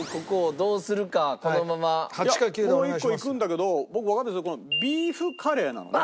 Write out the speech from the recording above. もう１個いくんだけど僕わかんないですけどビーフカレーなのね？